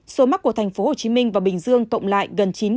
số mắc của thành phố hồ chí minh và bình dương cộng lại gần chín tám trăm linh ca